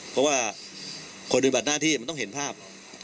เพราะว่าคนปฏิบัติหน้าที่มันต้องเห็นภาพ